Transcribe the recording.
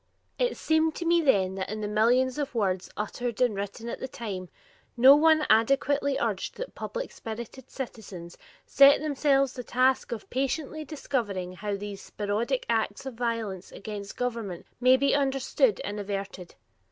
It seemed to me then that in the millions of words uttered and written at that time, no one adequately urged that public spirited citizens set themselves the task of patiently discovering how these sporadic acts of violence against government may be understood and averted.